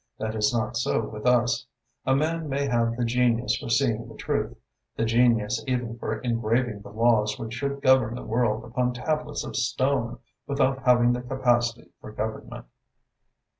That is not so with us. A man may have the genius for seeing the truth, the genius even for engraving the laws which should govern the world upon tablets of stone, without having the capacity for government."